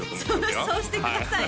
よそうしてください